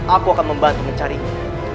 aku akan membantu mencarinya